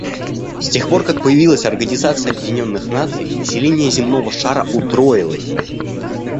С тех пор, как появилась Организация Объединенных Наций, население земного шара утроилось.